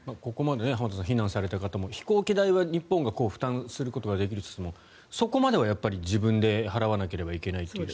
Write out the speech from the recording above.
ここまで避難された方も飛行機代は日本が負担することはできますがそこまでは自分で払わなければいけないと。